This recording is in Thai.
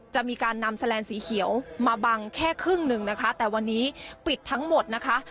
จะมีการนำแลนสีเขียวมาบังแค่ครึ่งหนึ่งนะคะแต่วันนี้ปิดทั้งหมดนะคะ